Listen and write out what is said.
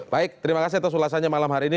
baik terima kasih atas ulasannya malam hari ini